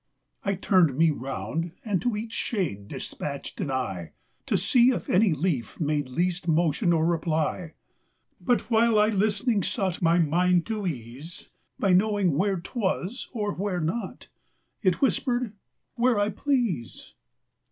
lO I turned me round, and to each shade Dispatched an eye. To see if any leaf had made Least motion or reply ; But while I, listening, sought My mind to ease By knowing, where 't was, or where not. It whisper'd ; "Where I please".